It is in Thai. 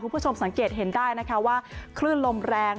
คุณผู้ชมสังเกตเห็นได้นะคะว่าคลื่นลมแรง